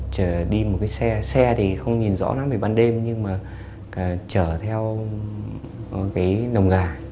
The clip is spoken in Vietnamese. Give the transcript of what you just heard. chở đi một cái xe xe thì không nhìn rõ lắm về ban đêm nhưng mà chở theo cái nồng gà